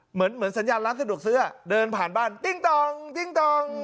เหมือนเหมือนสัญญาณล้างสะดวกเสื้อเดินผ่านบ้านติ๊งต่องติ๊งต่อง